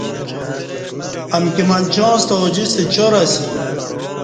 امکی منچاں ستہ اوجیستہ چار اسی